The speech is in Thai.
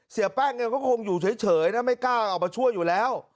เสียแป้งก็คงอยู่เฉยนะไม่กล้าออกมาช่วยอยู่แล้ว